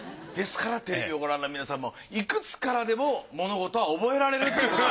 ですからテレビをご覧の皆さんもいくつからでも物事は覚えられるという。